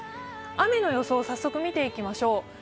雨の予想を早速見ていきましょう。